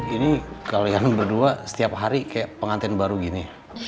ini kalian berdua setiap hari kayak pengantin baru gini